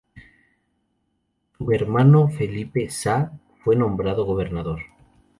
Su hermano Felipe Saá fue nombrado gobernador.